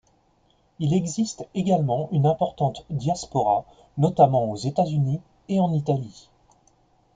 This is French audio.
Il existe également une importante diaspora, notamment aux États-Unis et en Italie.